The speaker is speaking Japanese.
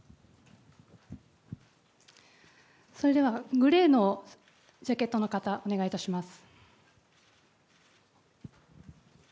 それでは、グレーのジャケットの方、お願いいたします。